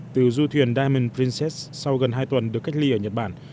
từ du thuyền diamond princess sau gần hai tuần được cách ly ở nhật bản